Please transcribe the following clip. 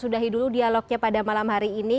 sudahi dulu dialognya pada malam hari ini